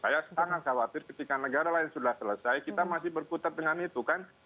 saya sangat khawatir ketika negara lain sudah selesai kita masih berputar dengan itu kan